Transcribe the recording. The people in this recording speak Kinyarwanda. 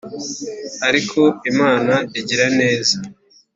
ariko imana igira neza